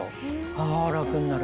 あ楽になる。